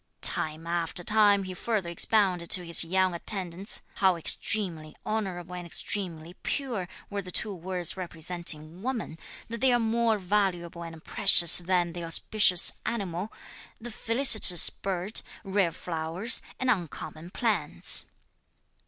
Time after time, he further expounded to his young attendants, how extremely honourable and extremely pure were the two words representing woman, that they are more valuable and precious than the auspicious animal, the felicitous bird, rare flowers and uncommon plants.